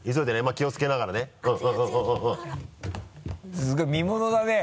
すごい見ものだね！